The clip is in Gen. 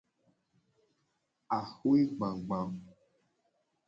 Axwe gbagba.